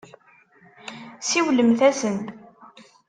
Siwlemt-asen.